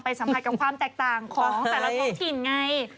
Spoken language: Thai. สัมผัสกับความแตกต่างของแต่ละท้องถิ่นไง